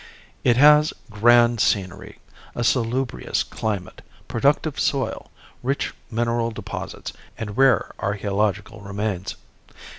It has grand scenery, a salubrious climate, productive soil, rich mineral deposits and rare archaeological remains.